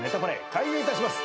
開演いたします。